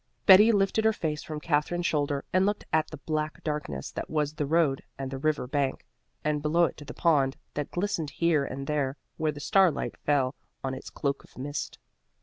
Betty lifted her face from Katherine's shoulder and looked at the black darkness that was the road and the river bank, and below it to the pond that glistened here and there where the starlight fell on its cloak of mist.